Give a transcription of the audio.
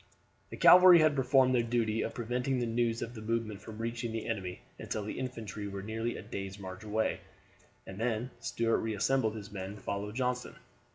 The cavalry had performed their duty of preventing the news of the movement from reaching the enemy until the infantry were nearly a day's march away, and then Stuart reassembled his men and followed Johnston.